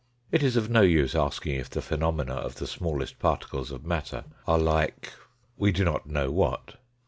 It is of no use asking if the phenomena of the smallest particles of matter are like we do not know what.